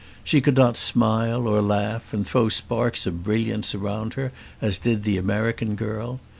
She could not smile or laugh and throw sparks of brilliance around her as did the American girl.